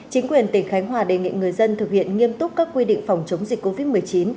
chính quyền tỉnh khánh hòa đề nghị người dân thực hiện nghiêm túc các quy định phòng chống dịch covid một mươi chín